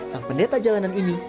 sang pendeta jalanan ini